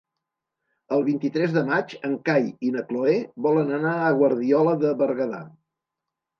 El vint-i-tres de maig en Cai i na Cloè volen anar a Guardiola de Berguedà.